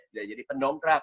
tidak jadi pendongkrak